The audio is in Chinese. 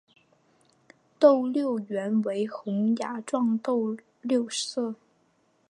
斗六原为洪雅族斗六社。